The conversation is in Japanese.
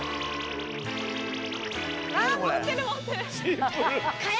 持ってる持ってる。